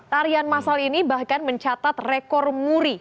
tarian masal ini bahkan mencatat rekor muri